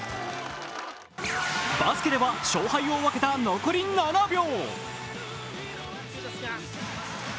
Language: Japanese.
バスケでは勝敗を分けた残り７秒。